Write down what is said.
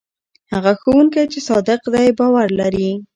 هغه ښوونکی چې صادق دی باور لري.